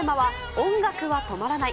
音楽は止まらない。